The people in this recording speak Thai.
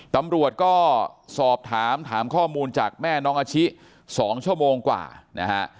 ตำรวจก็สอบถามถามข้อมูลจากแม่น้องอาชิ๒ชั่วโมงกว่านะฮะ